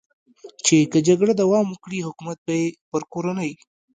چې که جګړه دوام وکړي، حکومت به یې پر کورنۍ.